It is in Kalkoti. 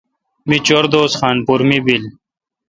می چور دوس خان پور می بیل۔